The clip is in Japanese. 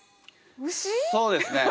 そうですね